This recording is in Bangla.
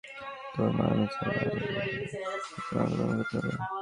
তোর মা আমি, চাইলে আরো বীভৎস পন্থা অবলম্বন করতে পারি।